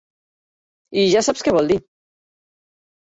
I ja saps què vol dir.